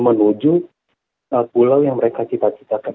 menuju pulau yang mereka cita citakan